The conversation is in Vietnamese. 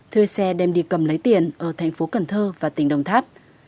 thuê xe đem đi cầm lấy tiền ở thành phố cần thơ và tỉnh đồng tháp